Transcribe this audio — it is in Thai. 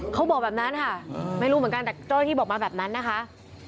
เขาบอกแบบนั้นค่ะไม่รู้เหมือนกันแต่เจ้าหน้าที่บอกมาแบบนั้นนะคะ